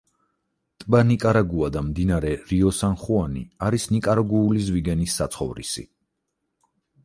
ტბა ნიკარაგუა და მდინარე რიო სან-ხუანი არის ნიკარაგუული ზვიგენის საცხოვრისი.